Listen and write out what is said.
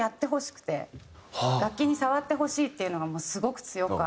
楽器に触ってほしいっていうのがもうすごく強くある。